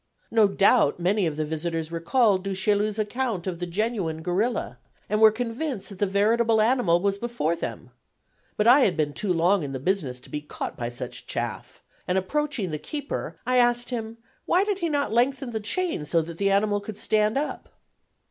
No doubt many of the visitors recalled Du Chaillu's accounts of the genuine gorilla, and were convinced that the veritable animal was before them. But I had been too long in the business to be caught by such chaff, and approaching the keeper, I asked him why he did not lengthen the chain, so that the animal could stand up?